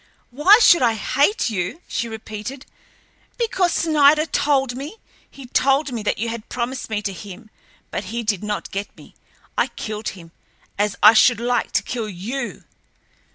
"Why should I hate you?" she repeated. "Because Snider told me—he told me that you had promised me to him, but he did not get me. I killed him, as I should like to kill you!"